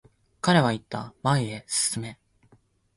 彼は言った、前へ進め。